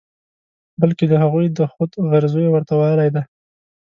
بلکې د هغوی د خود غرضیو ورته والی دی.